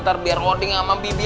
tar biar rodi ngamam bibi